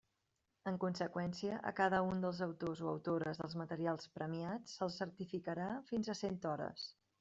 En conseqüència, a cada un dels autors o autores dels materials premiats se'ls certificarà fins a cent hores.